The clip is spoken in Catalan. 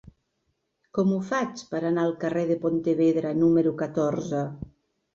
Com ho faig per anar al carrer de Pontevedra número catorze?